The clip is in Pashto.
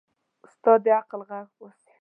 استاد د عقل غږ باسي.